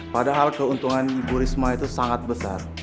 padahal keuntungannya burisma itu sangat besar